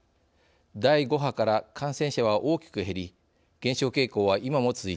第５波から感染者は大きく減り減少傾向は今も続いています。